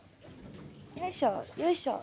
よいしょ！